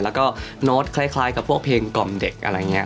แล้วก็โน้ตคล้ายกับพวกเพลงกล่อมเด็กอะไรอย่างนี้